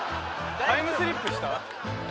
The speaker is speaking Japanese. タイムスリップした？